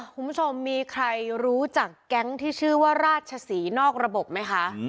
คุณผู้ชมมีใครรู้จักแก๊งที่ชื่อว่าราชศรีนอกระบบไหมคะ